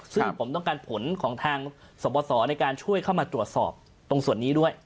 ซึ่งผมต้องการผลของทางสบสในการช่วยเข้ามาตรวจสอบตรงส่วนนี้ด้วย